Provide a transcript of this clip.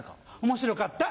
面白かった！